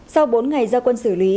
sau bốn ngày giao quân xử lý